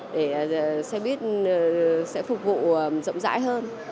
để xe buýt sẽ phục vụ rộng rãi hơn